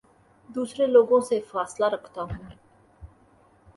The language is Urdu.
دوسرے لوگوں سے فاصلہ رکھتا ہوں